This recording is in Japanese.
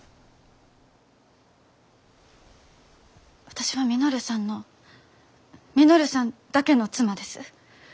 私は稔さんの稔さんだけの妻です。